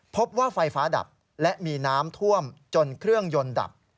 พบว่าไฟฟ้าดับและมีน้ำท่วมจนเครื่องยนต์ดับ